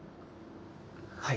はい。